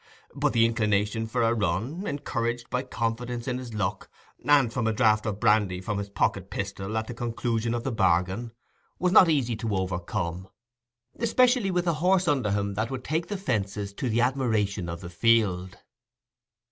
But the inclination for a run, encouraged by confidence in his luck, and by a draught of brandy from his pocket pistol at the conclusion of the bargain, was not easy to overcome, especially with a horse under him that would take the fences to the admiration of the field.